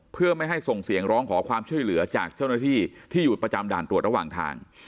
เพื่อไม่ให้ส่งเสียงร้องขอความช่วยเหลือจากเจ้าหน้าที่ที่อยู่ประจำด่านตรวจระหว่างทาง